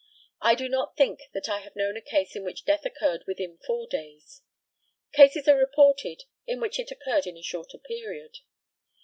I do not think that I have known a case in which death occurred within four days. Cases are reported in which it occurred in a shorter period.